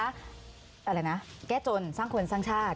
อะไรนะแก้จนสร้างคนสร้างชาติ